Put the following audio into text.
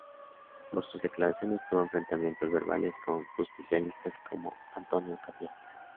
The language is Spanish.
Por sus declaraciones tuvo enfrentamientos verbales con justicialistas como Antonio Cafiero.